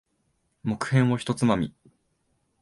木片を一つまみ。